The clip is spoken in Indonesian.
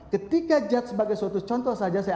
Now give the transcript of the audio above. ketika jad sebagai suatu contoh saja saya